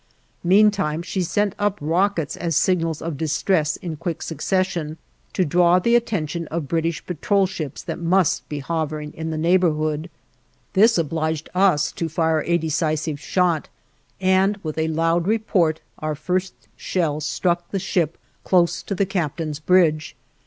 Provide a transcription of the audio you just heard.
Meantime she sent up rockets as signals of distress in quick succession, to draw the attention of British patrol ships that must be hovering in the neighborhood. This obliged us to fire a decisive shot, and with a loud report our first shell struck the ship close to the captain's bridge.